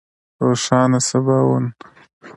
روښانه سباوون